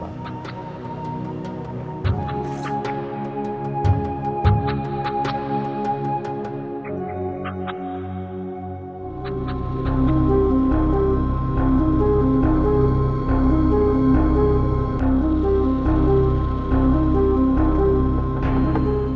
bapak bisa mencoba